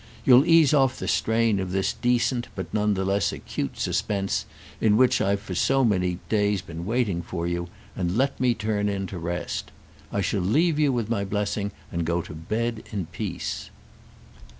You'll ease off the strain of this decent but none the less acute suspense in which I've for so many days been waiting for you, and let me turn in to rest. I shall leave you with my blessing and go to bed in peace."